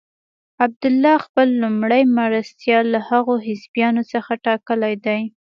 عبدالله خپل لومړی مرستیال له هغو حزبیانو څخه ټاکلی دی.